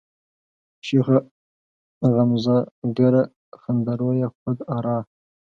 شوخه غمزه گره، خنده رویه، خود آرا